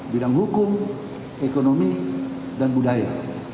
bidang hukum ekonomi dan budaya